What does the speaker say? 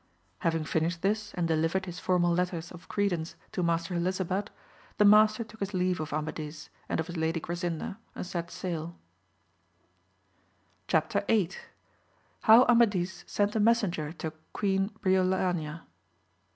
Having finished this, and delivered his formal letters of credence to Master Helisabad, the master took his leave of Amadis, and of his lady Grasinda, and set sail* AMADIS OF GAUL. 91 Chap. YIH. — How Amadis sent a Messenger to Qaeen Brio lania.